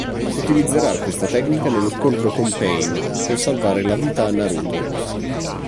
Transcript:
Utilizzerà questa tecnica nello scontro con Pain per salvare la vita a Naruto.